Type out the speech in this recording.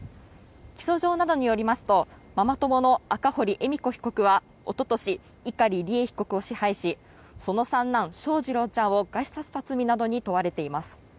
起訴状などによりますとママ友の赤堀恵美子被告はおととし、碇利恵被告を支配しその三男・翔士郎ちゃんを餓死させた罪などに問われています。